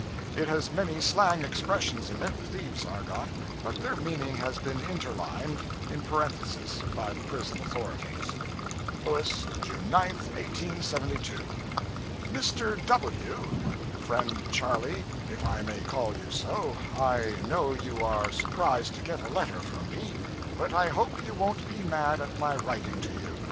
It has many slang expressions in it thieves' argot but their meaning has been interlined, in parentheses, by the prison authorities' St. Louis, June 9th 1872. Mr. W friend Charlie if i may call you so: i no you are surprised to get a letter from me, but i hope you won't be mad at my writing to you.